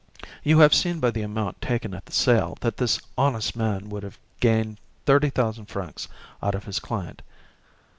You have seen by the amount taken at the sale that this honest man would have gained thirty thousand francs out of his client.